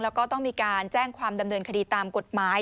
แล้วก็ต้องมีการแจ้งความดำเนินคดีตามกฎหมาย